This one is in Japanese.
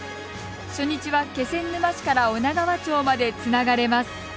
初日は気仙沼市から女川町までつながれます。